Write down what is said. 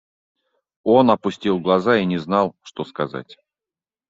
Он опустил глаза и не знал, что сказать.